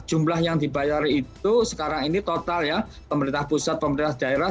jumlah yang dibayar itu sekarang ini total ya pemerintah pusat pemerintah daerah